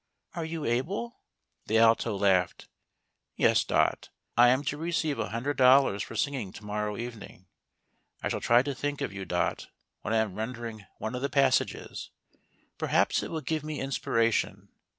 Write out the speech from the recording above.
Are you able? " The Alto laughed. " Yes, Dot. I am to receive a hundred dollars for singing to morrow evening. I shall try to think of you. Dot, when I am rendering one of the passages — perhaps it will give me inspiration.